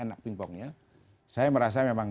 saya merasa memang